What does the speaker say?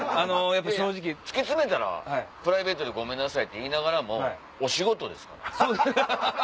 突き詰めたら「プライベートでごめんなさい」って言いながらもお仕事ですから。